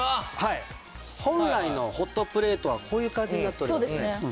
本来のホットプレートはこういう感じになっておりますね。